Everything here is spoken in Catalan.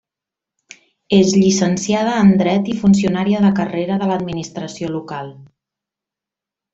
És llicenciada en Dret i funcionària de carrera de l'administració local.